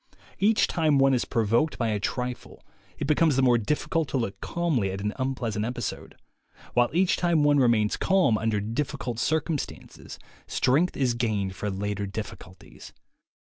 Each time one is provoked by a trifle, it becomes the more difficult to look calmly at an unpleasant episode; while each time one re mains calm under difficult circumstances, strength is gained for later difficulties.